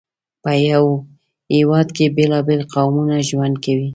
په یو هېواد کې بېلابېل قومونه ژوند کوي.